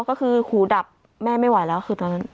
ก็คือหูดับแม่ไม่ไหวแล้วคือตอนนั้น